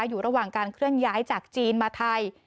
อยู่ระหว่างการเคลื่อนย้ายจากจีนมาไทย